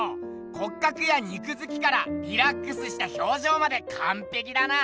骨格や肉づきからリラックスした表情までかんぺきだな。